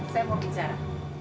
saya mau bicara